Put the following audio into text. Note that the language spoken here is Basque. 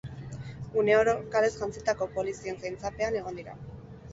Une oro, kalez jantzitako polizien zaintzapean egon dira.